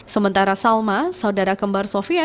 sementara salma saudara kembar sofia